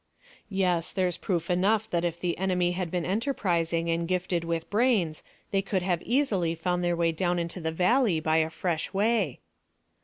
"Yes, there's proof enough that if the enemy had been enterprising and gifted with brains they could have easily found their way down into the valley by a fresh way."